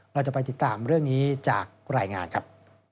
เราจะไปติดตามเรื่องนี้จากรายงานครับ